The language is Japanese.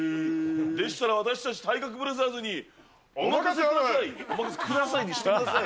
でしたら私たち体格ブラザーズにお任せください。